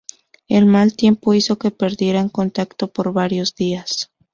El mal tiempo hizo que perdieran contacto por varios días.